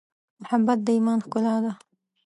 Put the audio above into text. محبت د ایمان ښکلا ده.